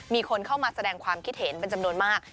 มีคนเข้ามาแสดงความคิดเห็นเป็นจำนวนมาก